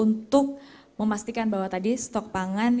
untuk memastikan bahwa tadi stok pangan